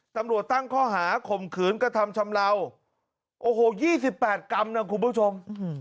ตำรวจตั้งข้อหาข่มขืนกระทำชำเลาโอ้โห๒๘กรัมนะคุณผู้ชม